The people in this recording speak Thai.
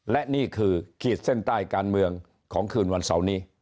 และนี่คือขีดเส้นใต้การเมืองของคืนวันเสาร์นี้